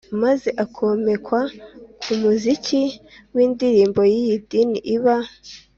maze akomekwa ku muziki w'indirimbo y'idini iba